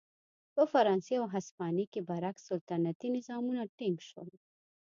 په فرانسې او هسپانیې کې برعکس سلطنتي نظامونه ټینګ شول.